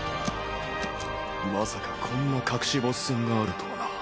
まさかこんな隠しボス戦があるとはな。